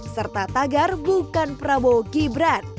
serta tagar bukan prabowo gibran